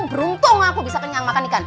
beruntung aku bisa kenyang makan ikan